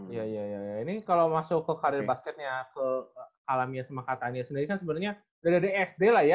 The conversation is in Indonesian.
iya ini kalau masuk ke karir basketnya ke alam semangatannya sendiri kan sebenernya udah dari sd lah ya